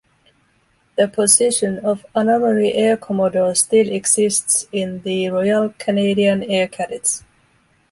The position of honorary air commodore still exists in the Royal Canadian Air Cadets.